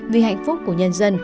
vì hạnh phúc của nhân dân